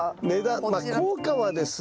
効果はですね